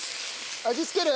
味付ける？